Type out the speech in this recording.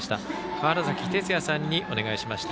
川原崎哲也さんにお願いしました。